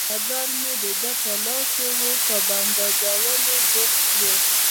نظر مې د ده پر لاسو وو، په بنداژولو بوخت وو.